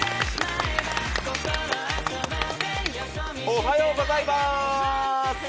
おはようございバース。